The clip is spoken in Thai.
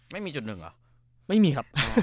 ไม่มีจุดหนึ่งหรอ